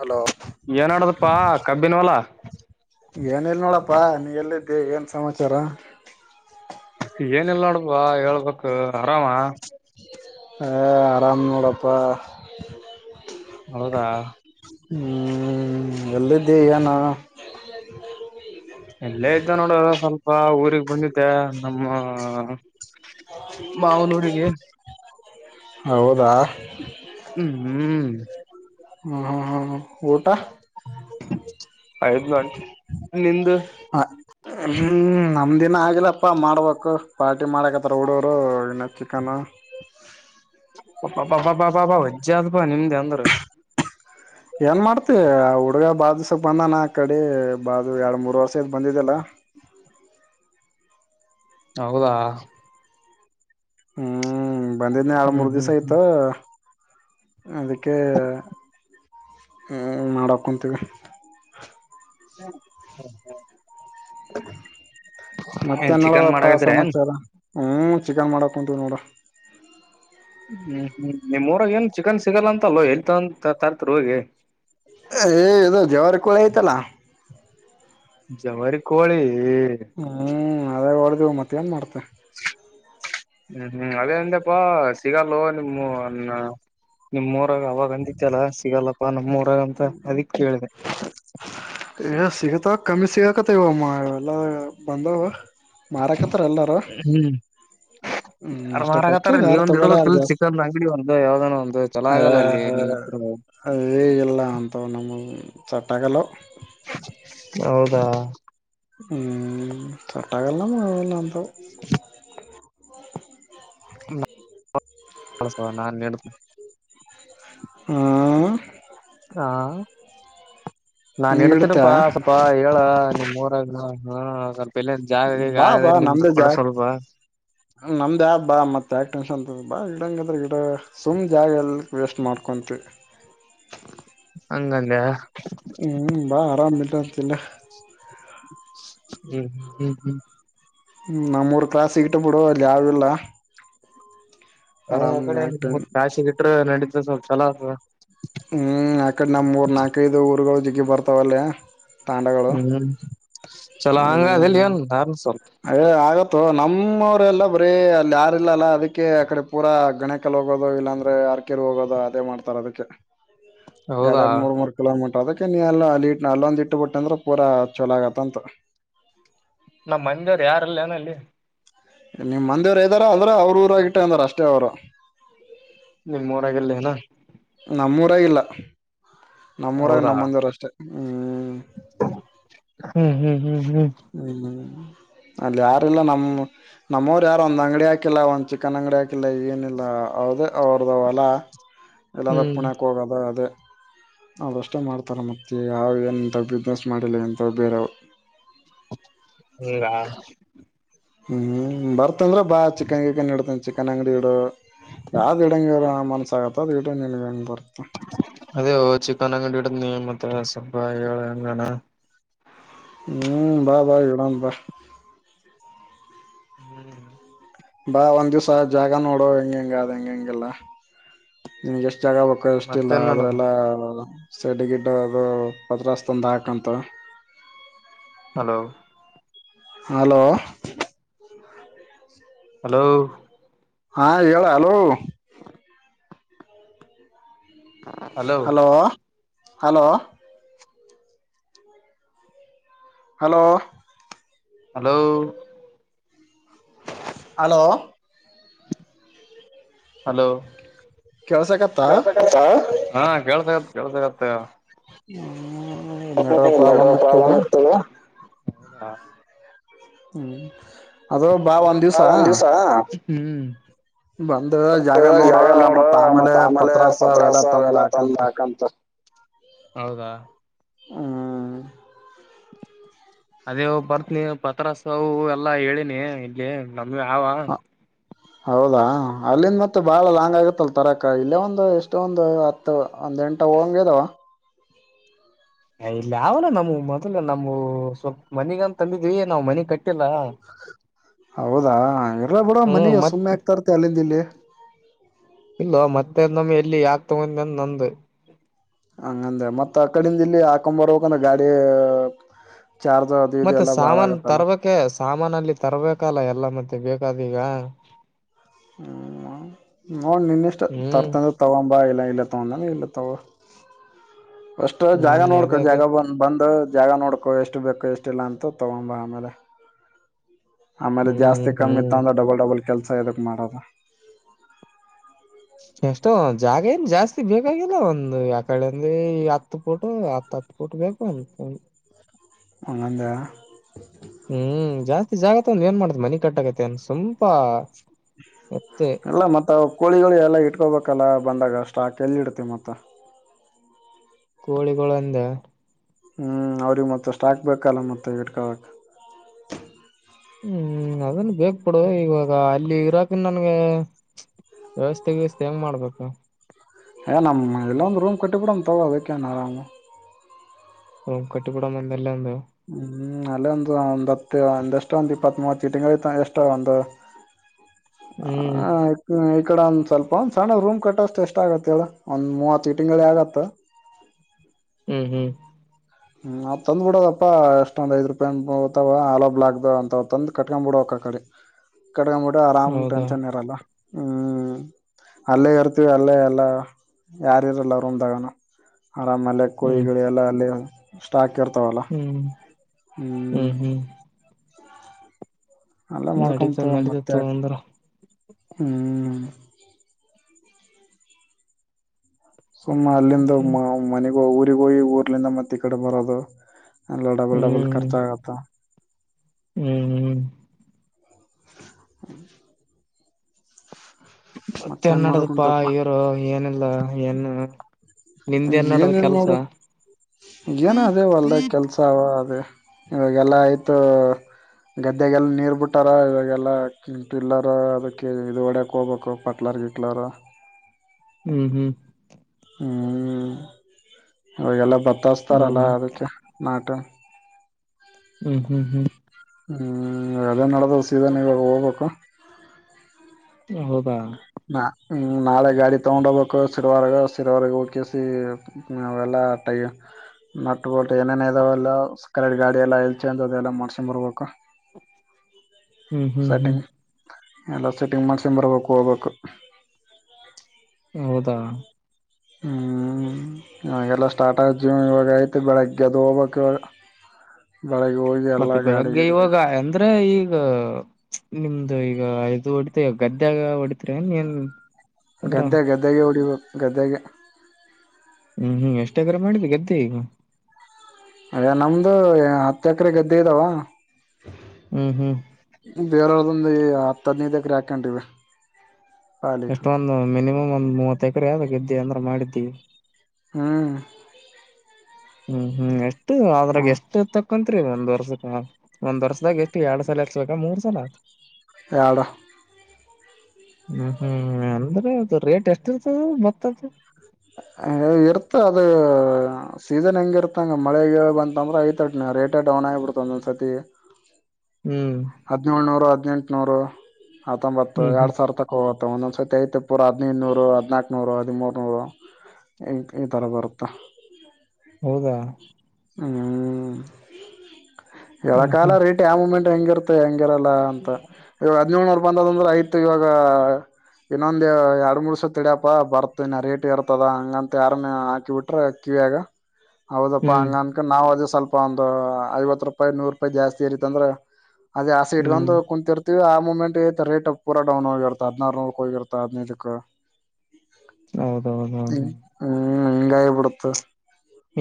Hello ಏನ್ ನಡದಪ್ಪಾ ಕಬ್ಬಿನ ಹೊಲಾ ಏನಿಲ್ಲ ನೋಡಪ್ಪಾ ನೀ ಎಲ್ಲಿದ್ದೆ ಏನ್ ಸಮಾಚಾರ ಏನಿಲ್ಲ ನೋಡಪಾ ಹೇಳ್ಬೇಕ ಆರಾಮಾ ಹಾ ಆರಾಮ ನೊಡಪಾ ಹೌದಾ ಹ್ಮ್ ಎಲ್ಲಿದ್ದೆ ಏನ [inaudible] ಎಲ್ಲೇ ಇದ್ದೇ ನೋಡು ಸ್ವಲ್ಪ ಊರಿಗ್ ಬಂದಿದ್ದೆ ನಮ್ಮ್ ಅ ಅ [unintelligible] ಹೌದಾ. ಹ್ಮ್ ಹ. ಹ್ಮ ಹ ಹ ಹ ಹಾ. ಊಟಾ ಐದ್ ಗಂಟೆ ನಿಂದು [inaudible] ಆ ಹ್ಮ್ ನಮ್ದ್ ಇನಾ ಆಗಿಲ್ಲಪ್ಪಾ ಮಾಡ್ಬೇಕು ಪಾರ್ಟಿ ಮಾಡಕತ್ತಾರ ಹುಡಗೂರು ಇನ್ನು ಕನಾ [unintelligible] ಪಾ ಪಾ ಪಾ ಪಾ ಪಾ ವಜ್ಜ ಆದ ಪಾ ನಿಮ್ದ್ ಅಂದ್ರ [unintelligible] ಏನ್ ಮಾಡ್ತಿ ಆ ಹುಡ್ಗ ಬಾಳ ದಿವ್ಸಕ ಬಂದಾನ ಆ ಕಡೆ ಬಾ ಅದು ಎರಡು ಮೂರು ವರ್ಷ ಆತ್ ಬಂದಿದ್ದಿಲ್ಲಾ ಹೌದಾ. ಹ್ಮೂ ಬಂದಿದ್ನ ಆಡ್ ಹ್ಮ್ ಮೂರ್ ಹ್ಮ್ ದಿವ್ಸ್ ಆಯ್ತ ಹ್ಮ್ ಅದಕ್ಕೆ [inaudible] ಹ್ಮ ಮಾಡಕುಂತೀವಿ. [unintelligible] ಏನ್ ಮತ್ತೆನ್ ನಡದದ ಚಿಕನ್ ಪಾ ಮಾಡಕತ್ತೀರ ಏನ್ ಸಮಾಚಾರ ಹ್ಮ ಚಿಕನ್ ಮಾಡಕ್ ಕುಂತಿವಿ ನೋಡ ಹ್ಮ್ ಹ್ಮ್ ನಿಮ್ಮೂರಾಗ ಏನ್ ಚಿಕನ್ ಸಿಗಲ್ಲ ಅಂತ ಅಲ್ಲೊ ಎಲ್ಲಿ ತನ್ ತರ್ತಿರಿ ಹೋಗಿ ಏಯ್ ಇದು ಜವಾರಿ ಕೂಳಿ ಐತಲ್ಲಾ ಜವಾರಿ ಕೋಳೀ ಹ್ಮ್ ಅದಾ ಹೊಡಿದಿವ್ ಮತ್ತೆನ್ ಮಾಡ್ತಿ [unintelligible] ಹ್ಮ್ ಹ್ಮ್ ಅದ ಅಂದೆಪ್ಪಾ ಸಿಗಲ್ಲೊ ನಿಮ್ಮು ಅನ್ನಾ ನಿಮ್ಮ್ ಊರಾಗ ಅವಾಗ ಅಂದಿತ್ಯಲ್ಲ ಸಿಗಲ್ಲಪ್ಪಾ ನಮ್ಮೂರಾಗ ಅಂತ ಅದಿಕ್ ಕೇಳಿದೆ. ಏ ಸಿಗತ್ತಾವ್ ಕಮ್ಮಿ ಸಿಗಕತ್ತಾವ ಇವಾ ಮಾ ಎಲ್ಲಾ ಬಂದಾವು ಮಾರಕತ್ತಾರ ಎಲ್ಲಾರು ಯಾರ ಮಾರಕತ್ತಾರ ಯಾರು ನೀವಂದ ತಗೋಲ್ಲ ಯಾರು ಇಡಬೇಕಲ್ ಜಾಸ್ತಿ ಚಿಕ್ಕಂದ್ ಅಂಗಡಿ ಒಂದು ಯಾವ್ದನೋ ಒಂದು ಚುಲೊ ಆಗಲ್ಲ ಅಲ್ಲಿ ನೀ [unintelligible] ಹಾ ಇಲ್ಲಾ ಹಂತಾವ ನಮಗ ಸೆಟ್ಟಾಗಲ್ಲವ [unintelligible] ಹೌದಾ. ಹ್ಮ ಸೆಟ್ಟಾಗಲ್ಲವ ನಮಗೆ ಅವೆಲ್ಲ ಹಂತಾವ [unintelligible] ಹಾ ಹ ನಾನ್ ನೀ ಇಡ್ತ ಇಡ್ತನಪ್ಪಾ ಸ್ವಪಾ ಹೇಳ ನಿಮ್ ಊರ್ ಹಾ ಸ್ವಲ್ಪ ಎಲ್ಲೇನ ಜಾಗ ಈಗ ಬಾ ಆಗದ ಬಾ ನಿಮ್ದು ನಮ್ದೇ ಕೊಡ ಜಾಗ ಸ್ವಲ್ಪ ನಮ್ದ ಬಾ ಮತ್ ಯಾಕ್ ಟೆನ್ಷನ್ ತಗೋ ಬಾ ಇಲ್ದಾಲ್ಗಿಂದ್ರೆ ಇರು ಸುಮ್ನೆ ಜಾಗ ಎಲ್ಲ ವೇಸ್ಟ್ ಮಾಡ್ಕೊಂತೀವಿ ಹಂಗಂದ್ಯ ಹ್ಮ್ ಬಾ ಆರಾಮಿಲ್ಲ [unintelligible] ಇಲ್ಲ ಹ್ಮ್ ಹ್ಮ್ ಹ್ಮ್ ನಮ್ಮೂರು ಕ್ರಾಸ್ ಇಟ್ಟ ಬಿಡು ಅಲ್ಲಿ ಯಾವೂ ಇಲ್ಲ ಹಾ ಆ ಕಡೆ ಯಾಕ್ ನಿಮ್ಮ ಊರು ಕ್ರಾಸಗೆ ಬಿಟ್ರೆ ನಡೀತ ಸ್ವಲ್ಪ ಚಲೋ ಅದ ಹು ಆಕಡೆ ನಮ್ಮ ಊರ ನಾಲ್ಕೈದು ಊರುಗಳು ಜಿಗಿ ಬರ್ತಾವಲ್ಲೇ ತಾಂಡಗಳು ಹ್ಮ್ ಚಲೋ ಹಂಗ ಆಗಿ ಅಲ್ಲಿ ಏನು [unintelligible] ಅಯ್ಯೋ ಆಗತ್ತೊ ನಮ್ಮವರೆಲ್ಲ ಬರೀ ಅಲ್ಲಿ ಯಾರಿಲ್ಲಲ್ಲ ಅದಕ್ಕೆ ಆ ಕಡೆ ಪೂರಾ ಗಣೇ [unintelligible] ಹೋಗೋದು [unintelligible] ಇಲ್ಲಾಂದ್ರೆ ಅರಿಕೆರೆ ಹೋಗೋದು ಅದೇ ಮಾಡ್ತಾರ ಅದಕ್ಕೆ ಹೌದಾ ಎರಡೆರಡು ಮೂರ್ ಮೂರ್ ಕಿಲೋಮೀಟರ್ ಅದಕ್ಕೆ ನೀ ಎಲ್ಲ ಅಲ್ಲಿ ಇ ಅಲ್ಲೊಂದ್ ಇಟ್ಟು ಬಿಟ್ಟ ಅಂದ್ರೆ ಪೂರ ಚಲೋ ಆಗುತ್ತಂತ ನಮ್ ಮಂದಿಯವರ ಯಾರ ಇಲ್ಲೆನ ಅಲ್ಲಿ ನಿಮ್ಮ ಮಂದಿವ್ರು ಇದ್ದಾರ ಆದ್ರ ಅವ್ರ ಊರಾಗ [unintelligible] ಅಷ್ಟೇ ಅವ್ರು ನಿಮ್ಮ ಊರಾಗಿಲ್ಲೇನ ನಮ್ಮೂರಾಗಿಲ್ಲ ನಮ್ಮೂರಾಗ ಹೌದಾ ನಮ್ಮಂದಿಯವರ ಅಷ್ಟೇ ಹು ಹ್ಮ್ ಹ್ಮ್ ಹ್ಮ್ ಹ್ಮ್ ಹ್ಮ್ ಅಲ್ಲಿ ಯಾರಿಲ್ಲ ನಮ್ ನಮ್ಮವರು ಯಾರು ಒಂದು ಅಂಗಡಿ ಹಾಕಿಲ್ಲ ಒಂದು ಚಿಕನ್ ಅಂಗಡಿ ಹಾಕಿಲ್ಲ ಏನಿಲ್ಲ ಅದ ಅವ್ರದ ಹೊಲ ಎಲ್ಲಾಂದ ಹ್ಮ್ ಪುಣಾಕ ಹೋಗದ ಅದೆ ಅವರಷ್ಟೇ ಮಾಡ್ತಾರೆ ಮತ್ತ ಯಾವ ಏನಂತ ಬಿಜಿಸೆಸ್ ಮಾಡಿಲ್ಲ ಎಂತ ಬೇರವ ಹಿಂಗಾ ಹು ಬರ್ತಂದ್ರ ಬಾ ಚಿಕನ್ ಗಿಕನ್ ಇಡತನ್ ಚಿಕನ್ ಅಂಗಡಿ ಇಡು ಯಾವ್ದ ಇಡಂಗರ ಮನ್ಸಾಗತ್ತ ಅದ ಇಡು ನಿನಗ ಹೆಂಗ ಬರುತ್ತ ಅದೇ ಓ ಚಿಕನ್ ಅಂಗಡಿ [unintelligible] ಮತ್ತ ಸ್ವಲ್ಪ ಹೇಳ ಹೇಂಗಣ ಹೂ ಬಾ ಬಾ ಇಡನ ಬಾ ಹ್ಮ್ ಬಾ ಒಂದ್ ದಿವ್ಸ ಜಾಗ ನೋಡು ಹೆಂಗ ಹೆಂಗ ಅದ ಹೆಂಗೆಂಗಿಲ್ಲ ನಿನ್ಗೆ ಎಷ್ಟ್ ಜಾಗ ಬೇಕು ಕಷ್ಟಿಲ್ಲ ಮತ್ತೇನ್ ನಡ ಅದ್ರೆಲ್ಲಾ ಸೆಡ್ ಗಿಡ್ ಅದು ಪತ್ರಾಸ್ ತಂದು ಹಾಕಂತರ ಹಲೋ ಹಲೋ ಹಲೋ ಹಾ ಹೇಳ hello hello hello hello hello hello hello ಕೆಳ್ಸಕತ್ತಾ ಕೇಳ್ಸಕತ್ತಾ. ಹಾ ಕೆಲ್ಸಾಕತ್ತಾ ಕೆಲ್ಸಾಕತ್ತಾ ನೆಟ್ವರ್ಕ್ ಪ್ರಾಬ್ಲಮ್ ಇತ್ತದ ಹ್ಮ್ ಅದು ಬಾ ಒಂದ ದಿಸ ಹ್ಮ. ಬಂದ ಜಾಗ ನೋಡ ಮತ್ತ ಆಮೇಲ ಪತ್ರಾಸ ಅವೆಲ್ಲಾ ತಂದ ಹಾಕಂತ. ಹೌದಾ. ಹ್ಮ. ಅದೇ ಬರ್ತನಿ ಪತ್ರಾಸವು ಎಲ್ಲಾ ಹೇಳಿನಿ ಇಲ್ಲಿ ನಮ್ಮ ಯಾವ. [inaudible] ಹೌದಾ ಅಲ್ಲಿಂದ ಮತ್ತ ಬಾಳ ಲಾಂಗ್ ಆಗತ್ತಲ್ಲ ಬರಾಕ ಇಲ್ಲೇ ಒಂದ ಎಷ್ಟೊಂದು. ತೊ ಒಂದೆಂಟ ಹೋಗಂಗ ಇದಾವ. ಯ ಇಲ್ಲ ಆವಲ್ಲ ನಮ್ಮ ಮೊದಲ ನಮ್ಮವು ಸ್ವಲ್ಪ ಮನಿಗಂತ ತಂದಿದ್ವಿ ನಾವ್ ಮನಿ ಕಟ್ಟಿಲ್ಲ. ಹೌದಾ ಇರ್ಲ ಬಿಡ ಹ್ಮ್ ಮನಿಗ ಮತ್ ಸುಮ್ಮನ ಯಾಕ ತರ್ತಿ ಅಲ್ಲಿಂದ ಇಲ್ಲಿ. ಇಲ್ಲೋ ಮತ್ತೆ ನಮ್ಮ ಎಲ್ಲಿ ಯಾಕ ತಗೊನೆಂದ ನಂದ. ಹಂಗಂದ ಮತ್ತ ಆಕಡಿಂದ ಇಲ್ಲಿ ಹಾಕೊಂಡ ಬರ್ಬೇಕಂದ್ರ ಗಾಡಿ ಚಾರ್ಜ್. ಇದು ಮತ್ತ ಎಲ್ಲಾ ಬಾಳ ಸಾಮಾನ ಆಗತ್ತಲ್ಲ ತರ್ಬೇಕ ಸಾಮಾನಲ್ಲಿ ತರ್ಬೇಕಲ್ಲ ಎಲ್ಲ ಮತ್ತೆ ಬೇಕಾದ ಈಗ ಹ್ಮ ನೋಡ ನಿನ್ನಷ್ಟ ಹ್ಮ್ ತರ್ತ ತಗೊಂಬ ಇಲ್ಲ ಇಲ್ಲ ತಗೊಂಡ ಇಲ್ಲ ತಗ ಫಸ್ಟ್ ಜಾಗ ಹ್ಮ್ ನೋಡ್ಕೊ ಅದೇ ಅದೇ ಜಾಗ ಬ ತ ಬಂದ ಜಾಗ ನೋಡ್ಕೊ ಎಷ್ಟ ಬೇಕ ಎಷ್ಟ ಇಲ್ಲ ಅಂತ ತಗೊಂಬ ಆಮೇಲೆ. ಆಮೇಲ ಜಾಸ್ತಿ ಹ್ಮ್ ಕಮ್ಮ ಹ್ಮ್ ಇತ್ತಂದ ಡಬಲ್ ಡಬಲ್ ಕೆಲ್ಸ ಎದಕ ಮಾಡೋದ. ಎಷ್ಟ ಜಾಗ ಏನ ಜಾಸ್ತಿ ಬೇಕಾಗಿಲ್ಲ ಒಂದು ಅಕಡೆ ಅಂದ ಹತ್ತು ಪೋಟು ಹತ್ತ ಹತ್ತ. ಪುಟ್ ಬೇಕು ಅನ್ಕೊಳ್ಳಿ. ಹಂಗಂದ ಹ್ಮ ಜಾಸ್ತಿ ಜಾಗ ತಗೊಂದ ಏನ್ ಮಾಡ್ತತಿ ಮನಿ ಕಟ್ಟಕೈತಿ ಸುಮ್ ಪಾ ಅಲ್ಲ ಮತ್ತ ಕೋಳಿಗಳ ಎಲ್ಲ ಇಟ್ಕೋಬೇಕಲ್ಲ ಬಂದಾಗ ಸ್ಟಾಕ್ ಎಲ್ಲಿ ಇಡ್ತಿ ಮತ್ತ. ಕೋಳಿಗಳಂದ ಹ್ಮ ಅವ್ರಿಗ ಮತ್ತ ಸ್ಟಾಕ್ ಬೇಕಲ್ಲ ಮತ್ತ ಇಟ್ಕೊಳಕ್ಕ ಹ್ಮ ಅದನ್ ಬೇಕ ಬಿಡು ಇವಾಗ ಅಲ್ಲಿ ಇರಾಕ ನನ್ಗ ವ್ಯವಸ್ಥೆ ಗಿವಸ್ಥೆ ಹೆಂಗ್ ಮಾಡ್ಬೇಕ. ಏ ನಮ್ಮ ಇಲ್ಲ ಒಂದ ರೂಮ್ ಕಟ್ಟ ಬಿಡೋಣ ತಗೊ ಅದಕ್ಕೇನ ಆರಾಮ. ಹು ಕಟ್ಟಿ ಬಿಡೋನ ಇಲ್ಲೊಂದ. ಹ್ಮ ಅಲ್ಲೇ ಒಂದ ಒಂದ್ ಹತ್ತ ಒಂದ ಎಷ್ಟ ಒಂದ್ ಇಪ್ಪತ್ ಮೂವತ್ತು ಇಟ್ಟಂಗೆಳ್ಳಿ ಎಷ್ಟ ಒಂದ ಹ್ಮ್ ಆಯ್ತ ಹ ಈಕಡೆ ಒಂದ ಸ್ವಲ್ಪ ಒಂದ ಸಣ್ಣ ರೂಮ್ ಕಟ್ಟೋಷ್ಟ ಎಷ್ಟ ಆಗತ್ತ ಹೇಳ ಒಂದ ಮೂವತ್ತ ಇಟ್ಟಂಗೆಳ್ಳಿ ಆಗತ್ತ. ಹ್ಮ್ ಹ್ಮ್. ಹ್ಮ ಆ ತಂದ್ ಬಿಡೋದಪ್ಪ ಅಷ್ಟೊಂದ ಐದ ರೂಪಾಯಿ ಬೆಳ್ತವ ಆಲ ಬ್ಲಾಕ್ ಅಂತ್ ತಂದ ಕಟ್ಕೊಂಡ ಬಿಡಕ್ಕ ಕಡೆ. ಕಡ್ಕಂಬಿಟ್ಟ ಆರಾಮ ಹೌದಾ ಟೆನ್ಷನ್ ಇರಲ್ಲ ಹ್ಮ. ಅಲ್ಲೇ ಇರ್ತೀವ ಅಲ್ಲೇ ಎಲ್ಲ ಯಾರ ಇರಲ್ಲ ರೂಮದಾಗಾನ ಆರಾಮೇಲೆ ಕೋಳಿ ಹ್ಮ್ ಗಿಳಿ ಎಲ್ಲ ಅಲ್ಲಿ ಸ್ಟಾಕ್ ಇರ್ತಾವಲ್ಲ ಹ್ಮ್ ಹ್ಮ. ಹ್ಮ್ ಹ್ಮ್ ಅಲ್ಲ ಮಾಡ್ಕೊಂಮ ನಡೀತದ ತುಗೋ ಮತ್ತ ನಡೀತತ್ತು ಯಾಕ ಅಂದ್ರ ಹ್ಮ. ಸುಮ್ಮ ಅಲ್ಲಿಂದ ಹ್ಮ್ ಮ ಮನ ಊರಿಗ ಹೋಗಿ ಊರ್ಲಿಂದ ಮತ್ತೆ ಈ ಕಡೆ ಬರದು. ಎಲ್ಲ ಡಬಲ್ ಡಬಲ್ ಖರ್ಚ ಆಗತ್ತ. ಹ್ಮ. [inaudible] ಮತ್ತೆ ಮತ್ತೇನ್ ಎನಡದಪ್ಪಾ ಮಾಡಕುಂತಪ್ಪಾ ಇರೋ ಏನಿಲ್ಲ ಏನು. ನಿಂದೇನಡ ಏನಿಲ್ಲ ನೋಡು ಕೆಲ್ಸ. ಏನ ಅದೇ ಹೊಲ್ದ ಕೆಲ್ಸ ಅದೇ ಇವಾಗೆಲ್ಲ ಆಯ್ತು. ಗದ್ದೆಗೆಲ್ಲ ನೀರ ಬಿಟ್ಟಾರ ಇವಾಗೆಲ್ಲ ಟಿಲ್ಲರ್ ಅದಕ್ಕೆ ಇದ ಹೊಡಕ್ ಹೋಗ್ಬೇಕು. ಬಟ್ಲರ್ ಹಿಟ್ಲರ್ ಹುಂ ಹುಂ ಹ್ಮ್ ಇವಾಗೆಲ್ಲಾ ಬತ್ತಾಸ್ತಾರಲ್ಲಾ ಹೌದಾ ಅದಕ್ಕೆ ನಾಟ ಹುಂ ಹುಂ ಹುಂ ಹುಂ ಅದೇ ನಡದ ಸೀಧನ್ ಇವಾಗ ಹೋಗ್ಬೇಕು [unintelligible] ನ ನಾಳೆ ಗಾಡಿ ತಗೊಂಡ ಹೋಗ್ಬೇಕು ಶಿರವಾರಗ ಶಿರವಾರಗೆ ಹೋಗಕೆಸಿ ನೀವೆಲ್ಲಾ ಟೈ ನಟ್ ಬೋಟ್ ಏನೇನ ಅದಾವಲ್ಲಾ ಸ್ಕ್ವೇರ್ ಗಾಡಿ ಎಲ್ಲಾ ವಿಲ್ ಚೇಂಜ್ ಅದು ಅದೆಲ್ಲಾ ಮಾಡ್ಸಕೊಂಡ ಬರ್ಬೇಕು ಹ್ಮ್ ಹ್ಮ್ ಹ್ಮ್ ಸೆಟ್ಟಿಂಗ್ ಎಲ್ಲ ಸೆಟ್ಟಿಂಗ್ ಮಾಡ್ಸಕೊಂಡ್ ಬರ್ಬೇಕು ಹೋಗ್ಬೇಕ ಹೌದಾ ಹುಂ ಅವೆಲ್ಲ ಸ್ಟಾರ್ಟ್ ಆಗ ಜೀಮ್ ಇವಾಗ ಐತೆ ಬೆಳಗ್ಗೆ ಎದ್ದು ಹೋಗ್ಬೇಕ ಇವಾಗ ಬೆಳಗ್ಗೆ ಹೋಗಿ ಎಲ್ಲಾ ಮತ್ತೆ ಗಾಡಿ ಬೆಳಗ್ಗೆ ಗಿಡಿ ಇವಾಗ ಅಂದ್ರೆ ಈಗ ಈಗ ನಿಮ್ದು ಈಗ ಇದು ಹೊಡಿತ ಗದ್ದೆಗ ಹೊಡಿತರಿ ನೀ ಏನ್ ಅದ್ರ ಗದ್ದೆ ಗದ್ದೆಗೆ ಹೊಡಿಬೇಕು ಗದ್ದೆಗೆ ಹುಂ ಹುಂ ಎಷ್ಟೇ ಎಕರೆ ಮಾಡಿದ್ದಿ ಗದ್ದೆ ಈಗ ಅ ನಮ್ದು ಹತ್ತ ಎಕರೆ ಗದ್ದೆ ಇದಾವ ಹುಂ ಹುಂ ಬೇರೇವರಿಂದ ಈ ಹತ್ತು ಹದಿನೈದ ಎಕ್ರೆ ಹಾಕೊಂಡಿದ್ದೀವಿ ಎಷ್ಟೊಂದು ಮಿನಿಮಮ್ ಒಂದ್ ಮೂವತ್ತು ಎಕ್ರೆ ಆದ ಗದ್ದೆ ಅಂದ್ರೆ ಮಾಡಿದ್ದೀವಿ ಹುಂ ಹುಂ ಹುಂ ಅಷ್ಟು ಹ ಆದ್ರಾಗ ಎಷ್ಟು ತಕ್ಕಂತ್ರಿ ಒಂದ್ ವರ್ಷಕ್ಕ ಒಂದ್ ವರ್ಷದಾಗ ಎಷ್ಟು ಎರಡ್ ಸಲ ಹಚ್ ಬೇಕಾ ಮೂರ್ ಸಲ ಆತ ಎಡ ಹುಂ ಹುಂ ಅಂದ್ರೆ ಅದು ರೇಟ್ ಎಷ್ಟ ಇರ್ತದ ಮತ್ತದು ಇರ್ತ ಅದ ಸೀಸನ್ ಹೆಂಗ ಇರ್ತಂಗ ಮಳೆಗ ಬಂತಂದ್ರ ಐತ ರೇಟ ಡೌನ್ ಆಗಿಬಿಡ್ತ ಒಂದೊಂದ್ಸತಿ ಹ್ಮ್ ಹದಿನೇಳುನೂರು ಹದಿನೆಂಟುನೂರು ಹತ್ತೊಂಬತ್ತು ಹ್ಮ್ ಹ್ಮ್ ಎರಡು ಸಾವಿರ ತಕ್ಕ ಹಓ ಒಂದೊಂದ್ಸತಿ ಐತೆ ಪುರ ಹದಿನೈದುನೂರು ಹದ್ ನಾಕ್ ನೂರು ಹದಿಮೂರ್ ನೂರು ಎಂತೆಂತವರು ಅದಾರ ಪಾ ಹೌದಾ ಹುಂ ಹೇಳಕ ಹ್ಮ್ ಹ್ಮ್ ಆಗಲರಿ ರೇಟ್ ಆ ಮೂಮೆಂಟ್ ಹೆಂಗಿರ್ತ ಹೆಂಗಿರಲ್ಲ ಅಂತ ಇವಾಗ ಅರ್ಜುನ್ ಅವರ ಬಂದಾರಂದ್ರೆ ಆಯ್ತು ಇವಾಗ ಇನ್ನೊಂದ ಎರಡು ಮೂರ್ ದಿವಸ ತಡ್ಯಿಪ್ಪ ಬರ್ತ ಈನ್ ರೇಟ್ ಎರತಪ್ಪ ತದ ಹಂಗಂತ ಯಾರನ್ನ ಹಾಕಿ ಬಿಟ್ರೆ ಕಿವಿಯಾಗ ಹೌದಪ್ಪಾ ಹ್ಮ್ ಹಂಗಂತ ನಾವ್ ಅದು ಸ್ವಲ್ಪ ಒಂದು ಐವತ್ತು ರೂಪಾಯಿ ನೂರ್ ರೂಪಾಯಿ ಜಾಸ್ತಿ ಇರತ್ತಂದ್ರ ಅದೇ ಆಸೆ ಇಟ್ಕೊಂಡ್ ಹ್ಮ್ ಕೂರ್ತೀ ಚಿಲಿ ಆ ಮೂಮೆಂಟ್ ಐ ರೇಟ್ ಪೂರ ಡೌನ್ ಹೋಗಿರ್ತದ ಹದಿನಾರ ನೂರಕ ಹೋಗಿರ್ತ ಹದಿನೈದಕ ಹೌದೌದು ಹ ಹೌದು ಹ ಹಂಗಾಗಿ ಬಿಡತ್ತ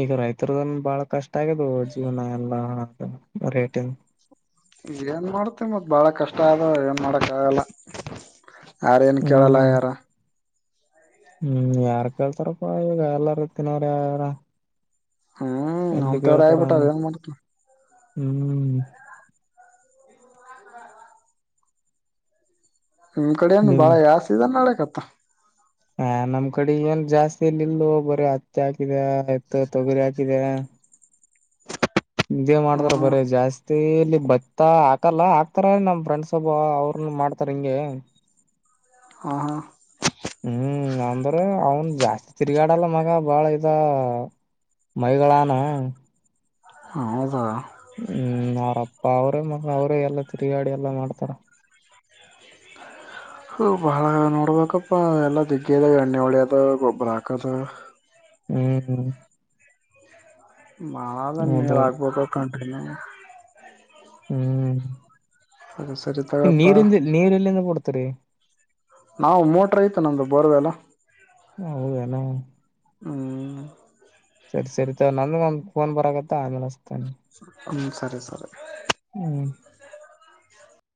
ಈಗ ರೈತರದನ್ ಬಾಳ ಕಷ್ಟ ಆಗ್ಯದು ಜೀವನ ಎಲ್ಲಾ ಬರಿ ರೇಟನ್ ಏನ್ ಮಾಡ್ತಿ ಮತ್ ಬಾಳ ಕಷ್ಟ ಆದ ಏನ್ ಮಾಡಕ್ ಆಗಲ್ಲಾ ಯಾರೇಏನ್ ಕೇಳಲ್ಲ ಹ್ಮ್ ಆಗ್ಯಾರ ಹ್ಮ್ ಯಾರ್ ಕೇಳ್ತಾರಪ್ಪಾ ಈಗ ಎಲ್ಲಾರು ತ್ತಿನಾಅವ್ರೆ ಆರ್ ಹೂ ನಮ್ಮತರ ಆಯ್ಬಿಟ್ಟಾದ ಏನ್ ಮಾಡ್ತವಿ. [inaudible] ಹೂ [inaudible] ನಿಮ್ಮ ಕಡೇನು ನಿಮ್ ಬಾಳ ಯಾವ ಸೀಸನ್ ನಡಕತ್ತ. [inaudible] ಹ ನಮ್ಮ ಕಡಿ ಏನ್ ಜಾಸ್ತಿ ಇಲ್ಲ ಇಲ್ಲೂ ಬರೀ ಹತ್ತ ಹಾಕಿದ ಇತ್ತಗ ತೊಗರಿ ಹಾಕಿದ್ಯಾ [inaudible] ಇದೇ ಮಾಡದರ ಹ ಬರೇ ಜಾಸ್ತಿ [inaudible] ತೇಲಿ ಬತ್ತಾ ಹಾಕಲ್ಲ ಹಾಕ್ತಾರ ನಮ್ಮ ಫ್ರೆಂಡ್ಸ್ ಒಬ್ಬ ಅವರನ್ನ ಮಾಡ್ತಾರ ಹಿಂಗೆ? [inaudible] ಹ ಹ [inaudible] ಹೂ ಅಂದ್ರೆ ಅವನು ಜಾಸ್ತಿ ತಿರ್ಗಾಡಲ್ಲ ಮಗ ಬಾಳ ಇದ [inaudible] ಮೈಗಳಾನ [inaudible] ಹೌದ? [inaudible] ಹೂ ಅವರ ಅಪ್ಪಾ ಅವರೇ ಮಕ್ಕಳ ಅವರೇ ಎಲ್ಲಾ ತಿರುಗಾಡಿ ಎಲ್ಲಾ ಮಾಡ್ತಾರ. [inaudible] [inaudible] ಹೂ ಬಾಳ ನೋಡಬೇಕಪ್ಪ ಎಲ್ಲಾ ದಿಗ್ಗದ ಎಣ್ಣೆ ಹೊಡೇಯದ ಗೊಬ್ಬರ ಹಾಕದ [inaudible] ಹೂ [inaudible] ಬಾಳ ದಿನದ ಮೇಲ್ ಹೌದೌದು ಆಗಬೋದು ಕಂಟಿನ್ಯೂ [inaudible] ಹೂ ಸರಿ ಸರಿ ತಗಪ್ಪಾ ನೀರಿಂದ ನೀರ್ ಎಲ್ಲಿಂದ ಕೊಡ್ತರಿ? [inaudible] ನಾವು ಮೋಟರ್ ಐತೆ ನಮ್ಮದು ಬೋರ್ವೆಲ್ಲ. [inaudible] ಹೂ ಹೌದ ಏನ್? [inaudible] ಹೂ [inaudible] ಸರಿ ಸರಿ ತೊಗ ನಂದು ಒಂದ್ ಫೋನ್ ಬರಾಕತ್ತ ಆಮೇಲೆ ಹಸ್ತನೆ. [inaudible] ಹೂ ಸರಿ ಸರಿ [inaudible] ಹೂ [inaudible]